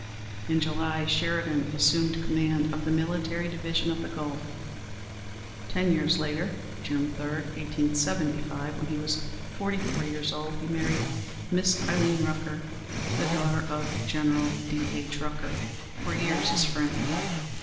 In July, Sheridan assumed command of the Military Division of the Gulf. Ten years later, June 3, 1875, when he was forty four years old, he married Miss Irene Rucker, the daughter of General D. H. Rucker, for years his friend.